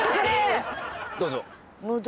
どうぞ。